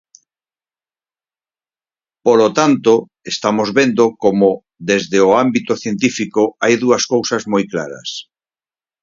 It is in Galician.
Polo tanto, estamos vendo como desde o ámbito científico hai dúas cousas moi claras.